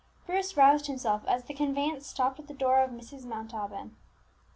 Bruce roused himself as the conveyance stopped at the door of Mrs. Montalban.